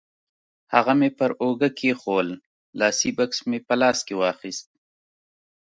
هغه مې پر اوږه کېښوول، لاسي بکس مې په لاس کې واخیست.